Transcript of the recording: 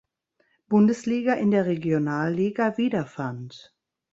Bundesliga in der Regionalliga wiederfand.